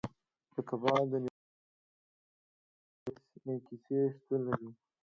د کبانو د نیولو په اړه ډیرې کیسې شتون لري